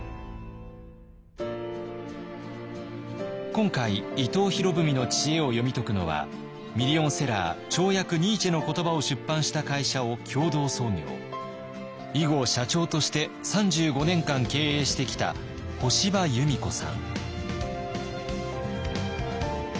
今回伊藤博文の知恵を読み解くのはミリオンセラー「超訳ニーチェの言葉」を出版した会社を共同創業以後社長として３５年間経営してきた干場弓子さん。